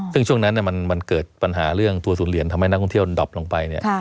ซึ่งช่วงนั้นมันเกิดปัญหาเรื่องตัวศูนย์เหรียญทำให้นักท่องเที่ยวดับลงไป